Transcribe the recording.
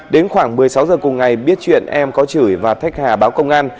đến khoảng một mươi sáu giờ cùng ngày biết chuyện em có chửi và thách hà báo công an